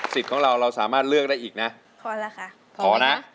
ของเราเราสามารถเลือกได้อีกนะพอแล้วค่ะพอนะ